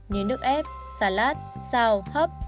như nước ép xà lát xào hấp